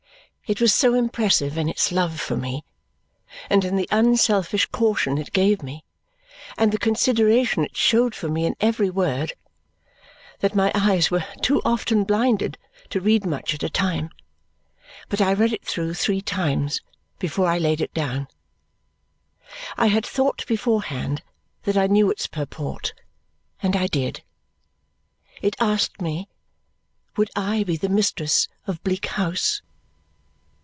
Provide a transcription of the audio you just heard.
It was so impressive in its love for me, and in the unselfish caution it gave me, and the consideration it showed for me in every word, that my eyes were too often blinded to read much at a time. But I read it through three times before I laid it down. I had thought beforehand that I knew its purport, and I did. It asked me, would I be the mistress of Bleak House.